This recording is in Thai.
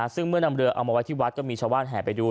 ซึ่งเมื่อนำเรือเอามาไว้ที่วัดก็มีชาวบ้านแห่ไปดู